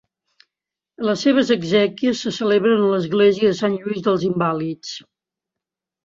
Les seves exèquies se celebren a l'Església de Sant Lluís dels Invàlids.